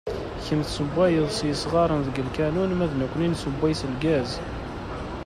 Kemm tessewwayeḍ s yisɣaren deg lkanun ma d nekni nessewway s lgaz.